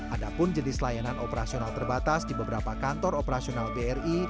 ada pun jenis layanan operasional terbatas di beberapa kantor operasional bri